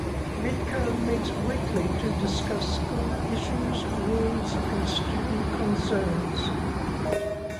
MidCo meets weekly to discuss school issues, rules, and student concerns.